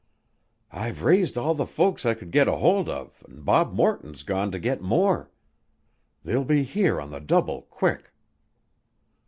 I've raised all the folks I could get a holt of an' Bob Morton's gone to get more. They'll be here on the double quick!"